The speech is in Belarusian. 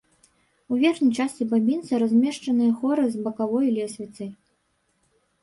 У верхняй частцы бабінца размешчаныя хоры з бакавой лесвіцай.